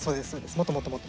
もっともっともっと。